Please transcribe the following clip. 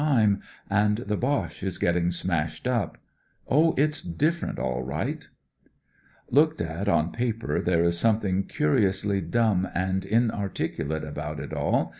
THE DIFFERENCE 197 and the Boche is getting smashed up. Oh, it's different, aU right." Looked at on paper there is something curiously dumb and inarticulate about it all.